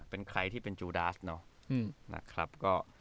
เป็นใครที่เป็นจูดาสเนอะ